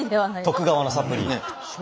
徳川のサプリね。